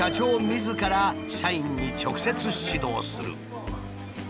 みずから社員に直接指導する。